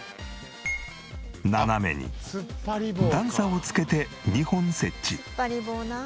斜めに段差をつけて２本設置。